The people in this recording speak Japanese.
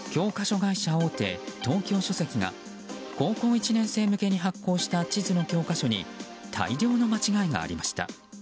会社大手・東京書籍が高校１年生向けに発行した地図の教科書に大量の間違いがありました。